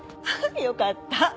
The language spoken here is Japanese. よかった。